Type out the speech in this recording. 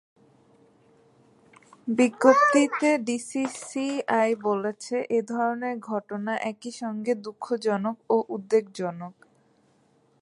বিজ্ঞপ্তিতে ডিসিসিআই বলেছে, এ ধরনের ঘটনা একই সঙ্গে দুঃখজনক ও উদ্বেগজনক।